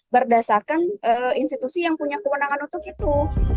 berdasarkan institusi yang punya kewenangan untuk itu